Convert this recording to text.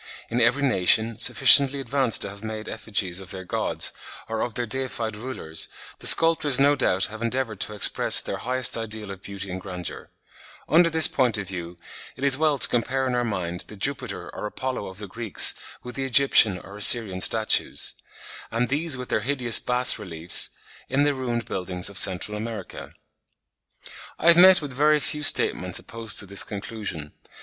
In every nation sufficiently advanced to have made effigies of their gods or of their deified rulers, the sculptors no doubt have endeavoured to express their highest ideal of beauty and grandeur. (67. Ch. Comte has remarks to this effect in his 'Traité de Législation,' 3rd ed. 1837, p. 136.) Under this point of view it is well to compare in our mind the Jupiter or Apollo of the Greeks with the Egyptian or Assyrian statues; and these with the hideous bas reliefs on the ruined buildings of Central America. I have met with very few statements opposed to this conclusion.